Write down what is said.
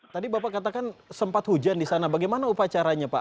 tadi bapak katakan sempat hujan di sana bagaimana upacaranya pak